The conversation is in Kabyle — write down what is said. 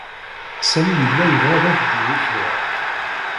Sami yella yebɣa ad ak-d-yini kra.